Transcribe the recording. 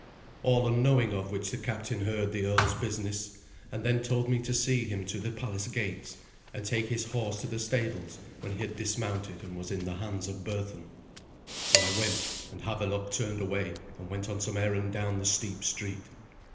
All unknowing of which the captain heard the earl's business, and then told me to see him to the palace gates, and take his horse to the stables when he had dismounted and was in the hands of Berthun. So I went, and Havelok turned away and went on some errand down the steep street.